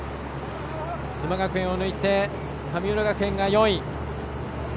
須磨学園を抜いて神村学園、４位。